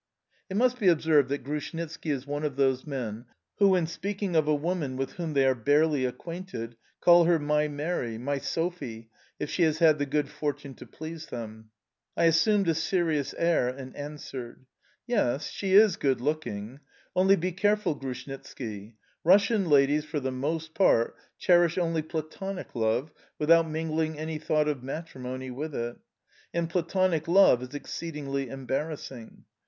It must be observed that Grushnitski is one of those men who, in speaking of a woman with whom they are barely acquainted, call her my Mary, my Sophie, if she has had the good fortune to please them. I assumed a serious air and answered: "Yes, she is good looking... Only be careful, Grushnitski! Russian ladies, for the most part, cherish only Platonic love, without mingling any thought of matrimony with it; and Platonic love is exceedingly embarrassing.